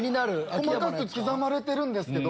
細かく刻まれてるけど。